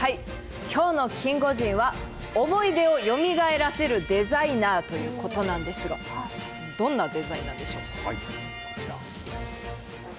きょうのキンゴジンは思い出をよみがえらせるデザイナーということなんですがどんなデザイナーでしょう。